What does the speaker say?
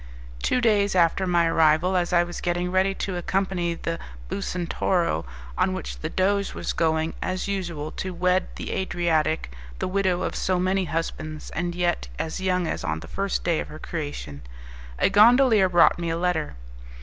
Two days after my arrival, as I was getting ready to accompany the Bucentoro, on which the Doge was going, as usual, to wed the Adriatic, the widow of so many husbands, and yet as young as on the first day of her creation, a gondolier brought me a letter.